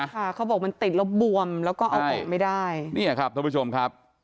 เขาบอกมันติดแล้วบวมแล้วก็เอาออกไม่ได้เนี่ยครับท่านผู้ชมครับ